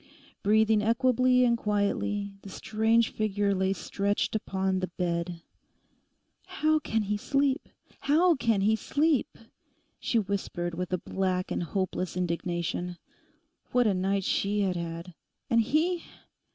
Breathing equably and quietly, the strange figure lay stretched upon the bed. 'How can he sleep? How can he sleep?' she whispered with a black and hopeless indignation. What a night she had had! And he!